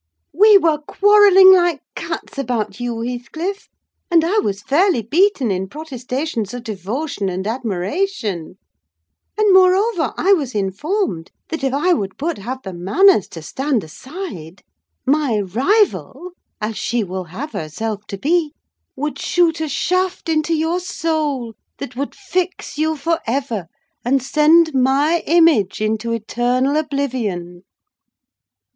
"We were quarrelling like cats about you, Heathcliff; and I was fairly beaten in protestations of devotion and admiration: and, moreover, I was informed that if I would but have the manners to stand aside, my rival, as she will have herself to be, would shoot a shaft into your soul that would fix you for ever, and send my image into eternal oblivion!"